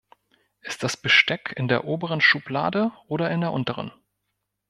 Ist das Besteck in der oberen Schublade oder in der unteren?